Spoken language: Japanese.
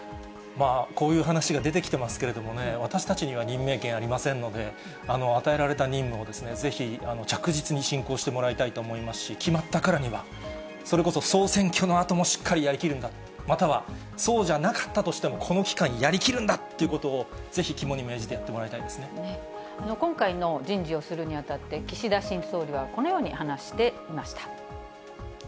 こういう話が出てきてますけれどもね、私たちには任命権ありませんので、与えられた任務をぜひ着実に進行してもらいたいと思いますし、決まったからには、それこそ総選挙のあともしっかりやりきるんだ、またはそうじゃなかったとしても、この機会にやりきるんだということを、ぜひ肝に今回の人事をするにあたって、岸田新総理はこのように話していました。